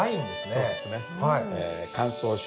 そうですね。